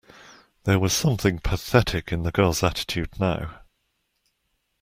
There was something pathetic in the girl's attitude now.